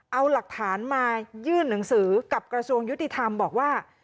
เอาหลักฐานมายื่นหนังสือกับกระทรวงยุติธรรมบอกว่า